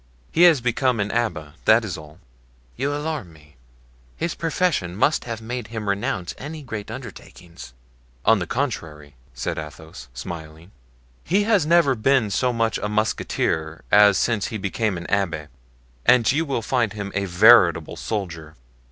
"He has become an abbé, that is all." "You alarm me; his profession must have made him renounce any great undertakings." "On the contrary," said Athos, smiling, "he has never been so much a musketeer as since he became an abbé, and you will find him a veritable soldier."